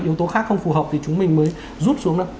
yếu tố khác không phù hợp thì chúng mình mới rút xuống đâu